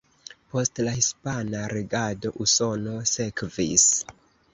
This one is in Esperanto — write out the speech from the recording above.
Post la hispana regado Usono sekvis.